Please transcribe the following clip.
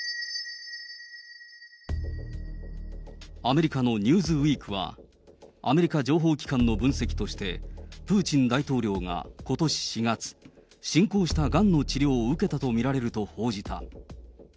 アメリカのニューズウィークは、アメリカ情報機関の分析として、プーチン大統領がことし４月、進行したがんの治療を受けたと見られると報じた。